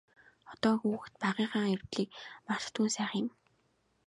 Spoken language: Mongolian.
Одоогийн хүүхэд багынхаа явдлыг мартдаггүй нь сайхан юм.